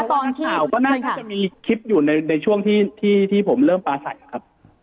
ด้วยถามหรือก็น่าจะมีคลิปอยู่ในช่วงที่ที่ผมเริ่มปะใส่นะครับ